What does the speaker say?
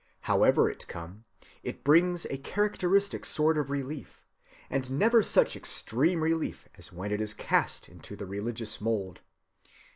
However it come, it brings a characteristic sort of relief; and never such extreme relief as when it is cast into the religious mould.